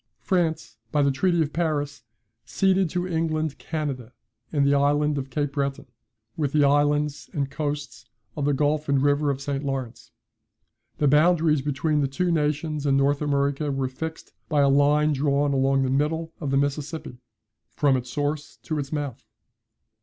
"France, by the treaty of Paris, ceded to England Canada, and the island of Cape Breton, with the islands and coasts of the gulf and river of St. Lawrence. The boundaries between the two nations in North America were fixed by a line drawn along the middle of the Mississippi, from its source to its mouth.